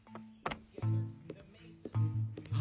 あ！